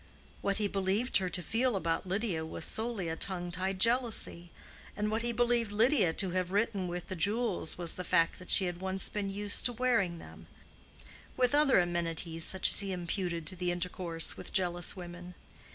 What he believed her to feel about Lydia was solely a tongue tied jealousy, and what he believed Lydia to have written with the jewels was the fact that she had once been used to wearing them, with other amenities such as he imputed to the intercourse with jealous women.